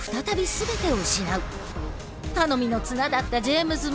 頼みの綱だったジェームズも。